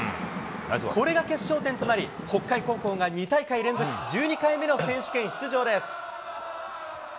これが決勝点となり、北海高校が２大会連続１２回目の選手権出場です。